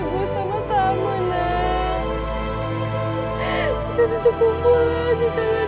kita bisa berkumpul lagi tak ada duit